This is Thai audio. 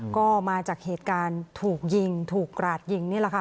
ก็มาจากเหตุการณ์ถูกยิงถูกกราดยิงนี่แหละค่ะ